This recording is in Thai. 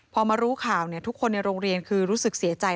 พอมารู้ข่าวทุกคนในโรงเรียนคือรู้สึกเสียใจ